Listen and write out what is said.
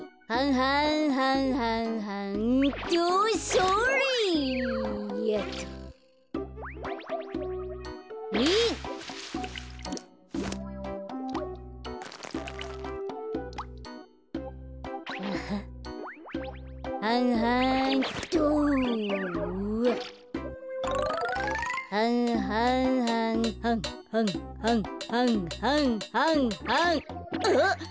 はんはんはんはんはんはんはんはんはんはん。あっ！